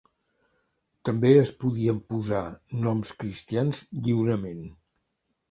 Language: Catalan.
També es podien posar noms cristians lliurement.